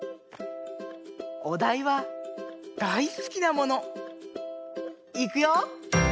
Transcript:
おだいは「だいすきなもの」。いくよ！